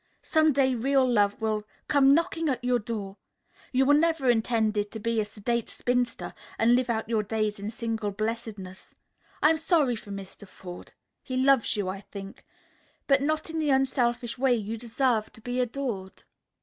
Some day real love will come knocking at your door. You were never intended to be a sedate spinster and live out your days in single blessedness. I'm sorry for Mr. Forde. He loves you, I think. But not in the unselfish way you deserve to be adored."